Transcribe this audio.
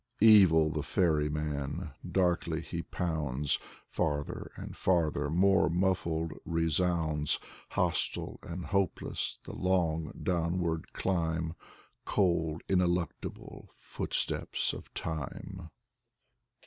Evil the Ferryman, darkly he pounds; Farther and farther, more muffled resounds, Hostile and hopeless, the long downward climb: Cold, ineluctable footsteps of Time.